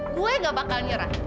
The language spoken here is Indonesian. gue gak bakal nyerah